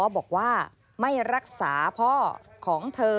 บอกว่าไม่รักษาพ่อของเธอ